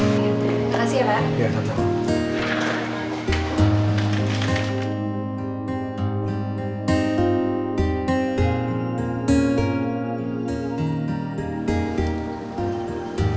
makasih ya pak